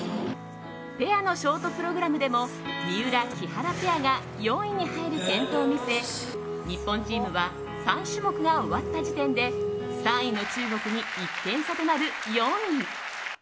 ペアのショートプログラムでも三浦、木原ペアが４位に入る健闘を見せ日本チームは３種目が終わった時点で３位の中国に１点差となる４位。